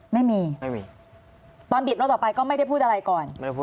ไม่มีไม่มีตอนบิดรถออกไปก็ไม่ได้พูดอะไรก่อน